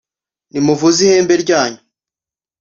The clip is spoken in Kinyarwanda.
Nimuvuze ihembe ryanyu